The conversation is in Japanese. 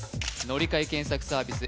乗換検索サービス